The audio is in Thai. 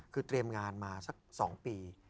คือเตรียมงานมาสัก๒ปี